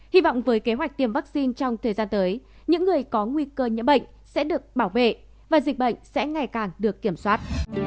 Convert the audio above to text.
hy vọng với kế hoạch tiêm vaccine trong thời gian tới những người có nguy cơ nhiễm bệnh sẽ được bảo vệ và dịch bệnh sẽ ngày càng được kiểm soát